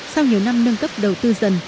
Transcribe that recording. sau nhiều năm nâng cấp đầu tư dần